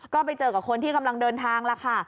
ก็ไปเจอกับคนที่กำลังเดินทางล่ะค่ะ